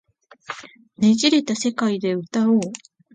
捻れた世界で歌おう